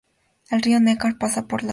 El río Neckar pasa por la ciudad.